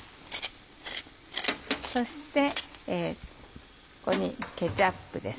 そしてここにケチャップです。